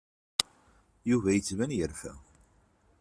Yuba yettban yerfa.